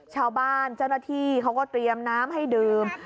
ชาวบ้านเจ้าหน้าที่เขาก็เตรียมน้ำให้ดื่ม